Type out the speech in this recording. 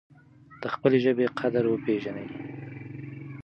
د خپلې ژبې قدر وپیژنئ.